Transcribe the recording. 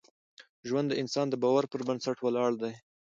ژوند د انسان د باور پر بنسټ ولاړ دی.